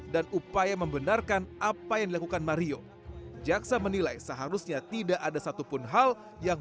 dan upaya membenarkan apa yang dilakukan mario jaksa menilai seharusnya tidak ada satupun hal yang